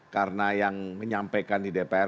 karena yang menyampaikan di dpr